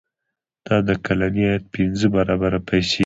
دا د کلني عاید پنځه برابره پیسې دي.